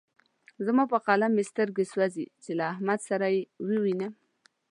زما په قلم مې سترګې سوځې چې له احمد سره يې ووينم.